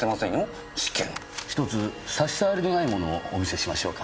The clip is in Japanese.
ひとつ差し障りのないものをお見せしましょうか？